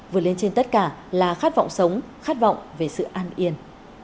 vừa lên trên tất cả là khát vọng sống khát vọng về sự an yên